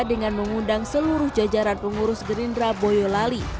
dengan mengundang seluruh jajaran pengurus gerindra boyolali